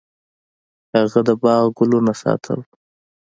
هغه د باغ ګلونه ساتل.